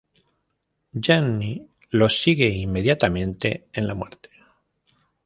Jenny lo sigue inmediatamente en la muerte.